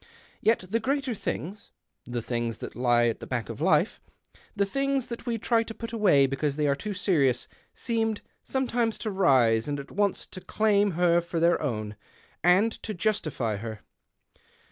Yet the greater things — the things that lie at the back of life — the things that we try to put away because they are too serious — seemed sometimes to rise and at once to claim her for their own, and to justify her.